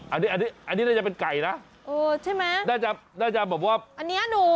อันนี้น่าจะเป็นไก่นะน่าจะเป็นแบบว่านี้นู